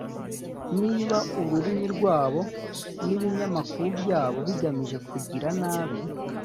Niba ururimi rwabo n’ibinyamakuru byabo bigamije kugira nabi